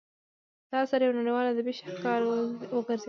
دا اثر یو نړیوال ادبي شاهکار وګرځید.